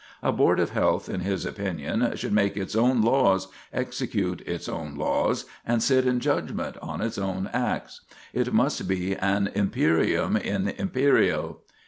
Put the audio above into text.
A board of health, in his opinion, should make its own laws, execute its own laws, and sit in judgment on its own acts. It must be an imperium in imperio.